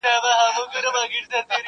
خو ځيني سيان نه بدلېږي هېڅکله,